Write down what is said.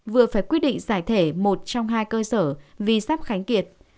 vừa phải quyết định giải thể một trong hai cơ sở vì sắp khánh kiệt